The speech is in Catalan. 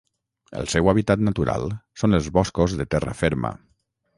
El seu hàbitat natural són els boscos de terra ferma.